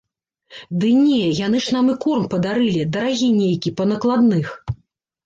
Ды не, яны ж нам і корм падарылі, дарагі нейкі, па накладных.